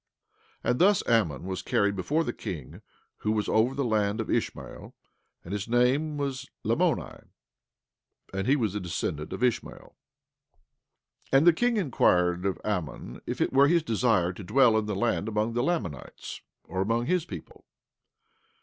17:21 And thus Ammon was carried before the king who was over the land of Ishmael; and his name was Lamoni; and he was a descendant of Ishmael. 17:22 And the king inquired of Ammon if it were his desire to dwell in the land among the Lamanites, or among his people.